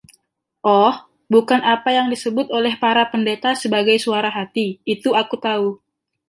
Oh, bukan apa yang disebut oleh para pendeta sebagai suara hati; itu aku tahu.